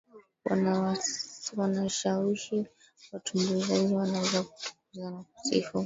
wanashawishiwaWatumbuizaji wanaweza kutukuza na kusifu